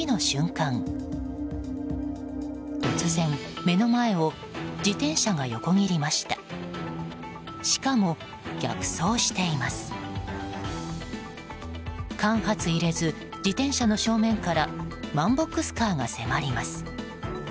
間髪入れず自転車の正面からワンボックスカーが迫ります。